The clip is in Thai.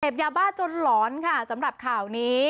ยาบ้าจนหลอนค่ะสำหรับข่าวนี้